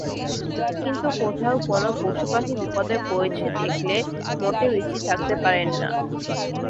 কিন্তু কোথাও কোনো পশুপাখি বিপদে পড়েছে দেখলে মোটেও স্থির থাকতে পারেন না।